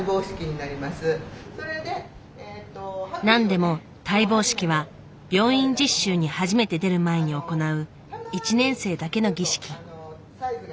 なんでも戴帽式は病院実習に初めて出る前に行う１年生だけの儀式。